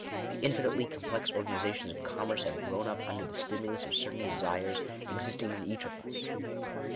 The infinitely complex organizations of com merce, have grown up under the stimulus of certain desires existing in each of us.